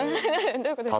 どういうことですか？